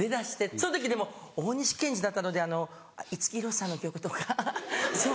その時でも大西賢示だったので五木ひろしさんの曲とかそう。